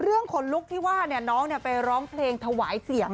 เรื่องขนลุกที่ว่าน็งเนี่ยไปร้องเพลงถวายเสียง